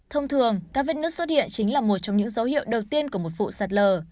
thông thường các vết nứt xuất hiện chính là một trong những dấu hiệu đầu tiên của một vụ sạt lở